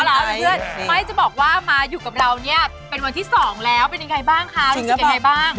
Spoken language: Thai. ไม่จะบอกว่ามาอยู่กับเราเป็นวันที่๒แล้ว